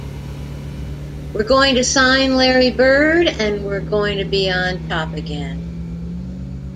We're going to sign Larry Bird, and we're going to be on top again.